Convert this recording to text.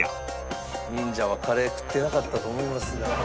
忍者はカレー食ってなかったと思いますが。